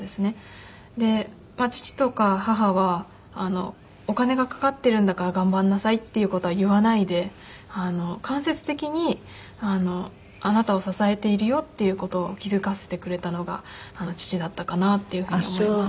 で父とか母はお金がかかっているんだから頑張りなさいっていう事は言わないで間接的にあなたを支えているよっていう事を気付かせてくれたのが父だったかなっていうふうに思います。